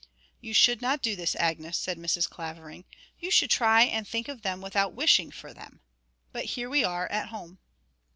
'You should not do this, Agnes,' said Mrs. Clavering; 'you should try and think of them without wishing for them. But here we are at home.'